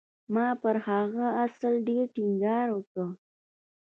ما پر هغه اصل ډېر ټينګار وکړ.